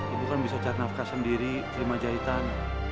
ibu kan bisa cari nafkas sendiri kelima jahitan